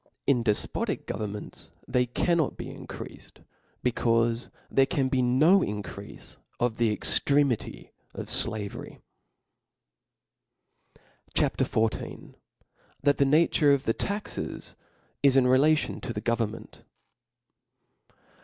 In defpotic governments they cannot be increafed, becaufe there can be no increafe of the ejctremity of flavery. C HA P. XIV. That' the Nature of the Taxes is relative to the . Government.